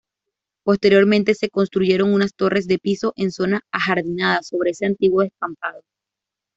Posteriormente se construyeron unas torres de pisos en zona ajardinada sobre ese antiguo descampado.